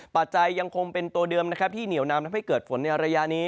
ปัจจัยยังคงเป็นตัวเดิมนะครับที่เหนียวนำทำให้เกิดฝนในระยะนี้